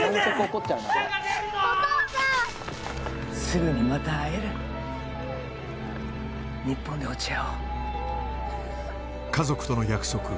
すぐにまた会える日本で落ち合おう家族との約束